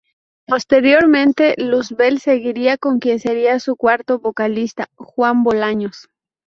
Posteriormente Luzbel seguiría con quien sería su cuarto vocalista, Juan Bolaños.